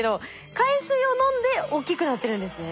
海水を飲んで大きくなってるんですね。